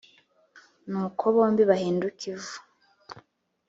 nuko bombi bahinduke ivu.